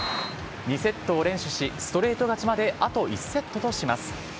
２セットを連取し、ストレート勝ちまであと１セットとします。